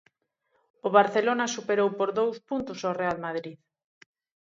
O Barcelona superou por dous puntos o Real Madrid.